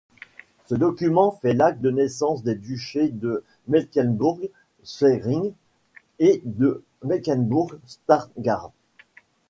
Ce document fut l'acte de naissance des duchés de Mecklembourg-Schwerin et de Mecklembourg-Stargard.